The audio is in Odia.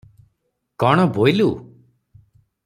କଣ ବୋଇଲୁ?